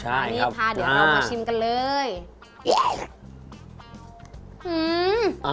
ใช่ครับอ่านี่พาเดี๋ยวเรามาชิมกันเลย